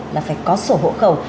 là phải có sổ hộ khẩu